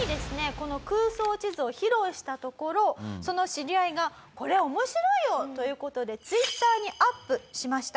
この空想地図を披露したところその知り合いが「これ面白いよ！」という事でＴｗｉｔｔｅｒにアップしました。